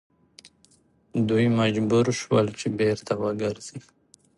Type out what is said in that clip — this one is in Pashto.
دوی مجبور شول چې بیرته وګرځي.